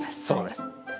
そうです。